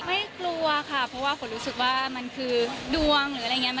กลัวค่ะเพราะว่าฝนรู้สึกว่ามันคือดวงหรืออะไรอย่างนี้